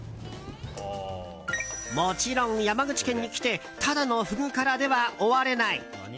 もちろん山口県に来てただのフグからでは終われない。